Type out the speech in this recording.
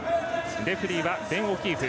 レフリーはベン・オキーフ。